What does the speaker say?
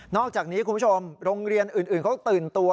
อกจากนี้คุณผู้ชมโรงเรียนอื่นเขาก็ตื่นตัว